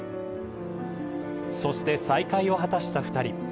そして、再会を果たした２人。